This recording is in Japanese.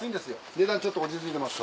値段ちょっと落ち着いてます。